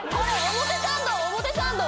表参道！